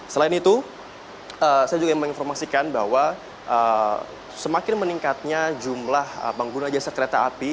selain itu saya juga ingin menginformasikan bahwa semakin meningkatnya jumlah pengguna jasa kereta api